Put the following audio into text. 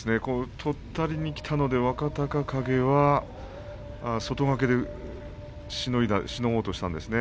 とったりにきたので若隆景としては外掛けでしのごうとしたんですね。